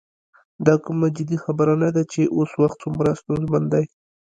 دا کومه جدي خبره نه ده چې اوس وخت څومره ستونزمن دی.